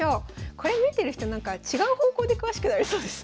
これ見てる人なんか違う方向で詳しくなりそうですね。